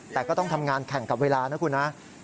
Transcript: แต่ก็ต้องทำงานแข่งกับเวลานะคุณนะ